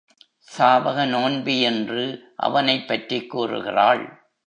சாவக நோன்பி என்று அவனைப் பற்றிக் கூறுகிறாள்.